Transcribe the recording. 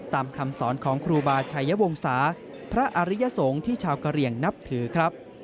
คำสอนของครูบาชัยวงศาพระอริยสงฆ์ที่ชาวกะเหลี่ยงนับถือครับ